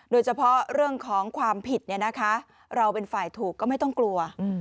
โดยเฉพาะเรื่องของความผิดเราเป็นฝ่ายถูกก็ไม่ต้องกลัว